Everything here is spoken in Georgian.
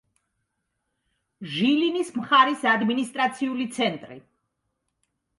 ჟილინის მხარის ადმინისტრაციული ცენტრი.